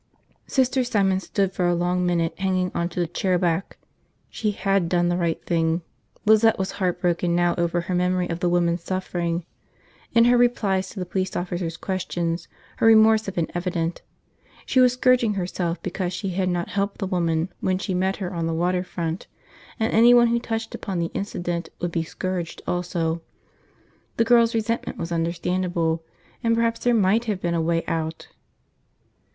Sister Simon stood for a long minute hanging on to the chair back. She had done the right thing. Lizette was heartbroken now over her memory of the woman's suffering. In her replies to the police officer's questions, her remorse had been evident. She was scourging herself because she had not helped the woman when she met her on the water front, and anyone who touched upon the incident would be scourged also. The girl's resentment was understandable. And perhaps there might have been a way out.